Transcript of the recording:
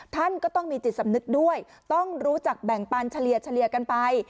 ท่านก็ต้องมีจิตสำนึกด้วยต้องรู้จักแบ่งปันเฉลี่ยกันไป